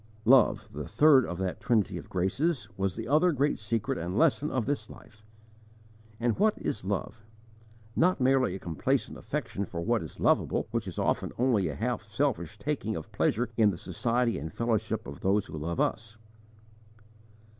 Love, the third of that trinity of graces, was the other great secret and lesson of this life. And what is love? Not merely a complacent affection for what is lovable, which is often only a half selfish taking of pleasure in the society and fellowship of those who love us.